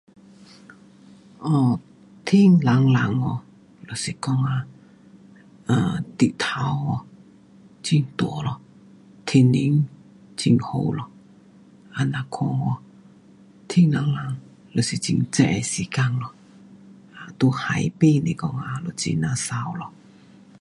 天蓝蓝就是说太阳很大天气很好怎么样看天蓝蓝就是很热的时间在海边就是说很美